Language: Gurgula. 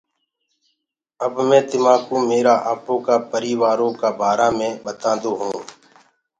اب مي تماڪوُ ميرآ آپو ڪآ پريٚوآرو ڪآ بارآ مي ٻتاندو هونٚ۔